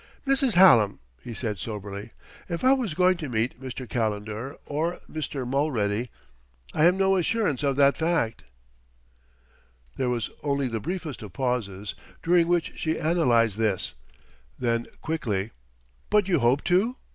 "Mrs. Hallam," he said soberly, "if I am going to meet Mr. Calendar or Mr. Mulready, I have no assurance of that fact." There was only the briefest of pauses, during which she analyzed this; then, quickly, "But you hope to?"